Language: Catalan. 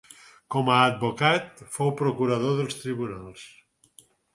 Com a advocat fou procurador dels tribunals.